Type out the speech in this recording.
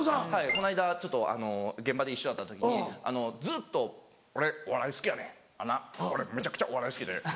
この間現場で一緒だった時にずっと「俺お笑い好きやねんめちゃくちゃお笑い好きで」。